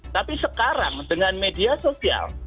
tapi sekarang dengan media sosial